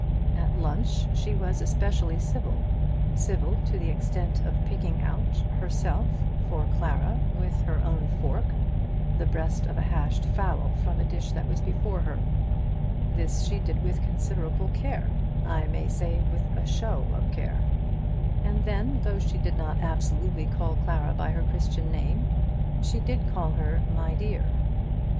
At lunch she was especially civil, civil to the extent of picking out herself for Clara, with her own fork, the breast of a hashed fowl from a dish that was before her. This she did with considerable care, I may say, with a show of care; and then, though she did not absolutely call Clara by her Christian name, she did call her "my dear."